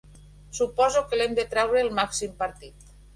Suposo que l'hem de traure el màxim partit!